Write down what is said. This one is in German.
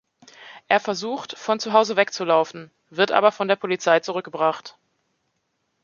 Er versucht, von zuhause wegzulaufen, wird aber von der Polizei zurückgebracht.